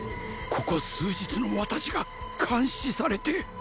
ここ数日の私が監視されて？